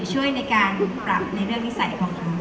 ช่วยในการปรับในเรื่องนิสัยของหนู